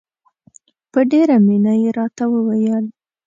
په ډېره مینه یې راته وویل.